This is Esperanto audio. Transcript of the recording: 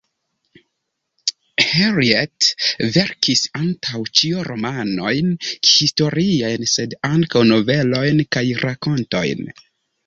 Henriette verkis antaŭ ĉio romanojn historiajn sed ankaŭ novelojn kaj rakontojn.